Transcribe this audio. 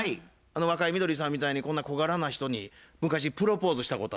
若井みどりさんみたいにこんな小柄な人に昔プロポーズしたことある言うて。